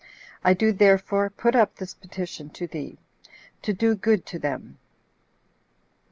I do therefore put up this petition to thee, to do good to them." 3.